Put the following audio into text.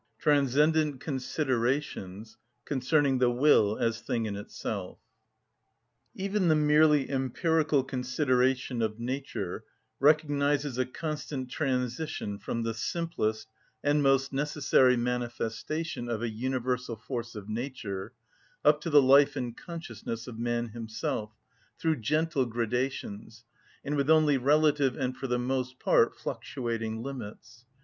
Transcendent Considerations Concerning The Will As Thing In Itself. Even the merely empirical consideration of nature recognises a constant transition from the simplest and most necessary manifestation of a universal force of nature up to the life and consciousness of man himself, through gentle gradations, and with only relative, and for the most part fluctuating, limits.